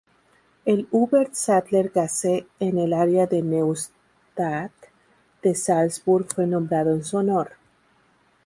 El Hubert-Sattler-Gasse en el área de Neustadt de Salzburg fue nombrado en su honor.